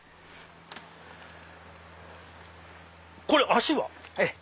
これ足は？